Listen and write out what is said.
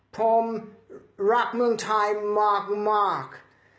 ผมรักเมืองชายมาก